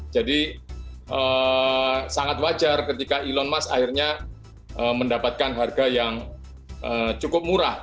jadi sangat wajar ketika elon musk akhirnya mendapatkan harga yang cukup murah